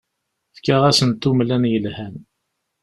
Fkiɣ-asent umlan yelhan.